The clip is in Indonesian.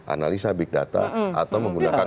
analisa big data atau menggunakan